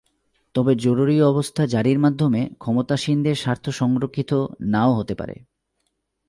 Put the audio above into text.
তবে জরুরি অবস্থা জারির মাধ্যমে ক্ষমতাসীনদের স্বার্থ সংরক্ষিত নাও হতে পারে।